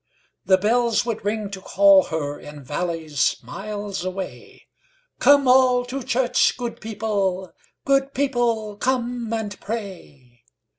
The bells would ring to call herIn valleys miles away:'Come all to church, good people; Good people, come and pray.